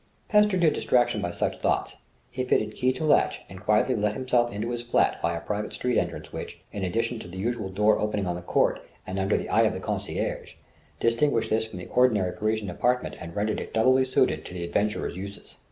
Pestered to distraction by such thoughts, he fitted key to latch and quietly let himself into his flat by a private street entrance which, in addition to the usual door opening on the court and under the eye of the concierge, distinguished this from the ordinary Parisian apartment and rendered it doubly suited to the adventurer's uses.